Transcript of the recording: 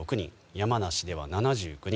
山梨では７９人。